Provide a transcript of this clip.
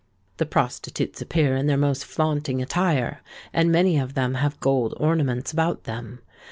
The prostitutes appear in their most flaunting attire; and many of them have gold ornaments about them.